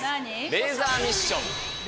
レーザーミッション？